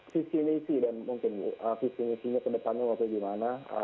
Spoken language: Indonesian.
sisi ini sih dan mungkin visi misinya ke depannya mau ke gimana